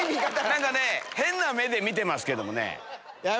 何かね変な目で見てますけどね。